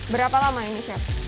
berapa lama ini chef